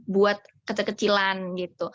buat kecil kecilan gitu